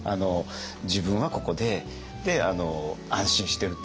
自分はここで安心してるっていうか